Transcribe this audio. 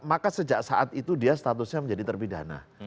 maka sejak saat itu dia statusnya menjadi terpidana